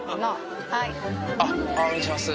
あっお願いします